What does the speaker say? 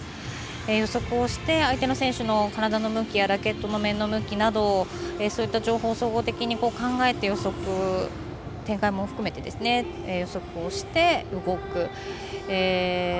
予測をして相手の選手の体の向きやラケットの面の向きなどそういった情報を総合的に考えて展開も含めて予測をして動くという。